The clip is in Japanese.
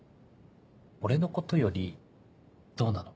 俺のことよりどうなの？